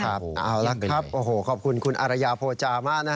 ครับเอาละครับขอบคุณคุณอารยาโภจามากนะคะ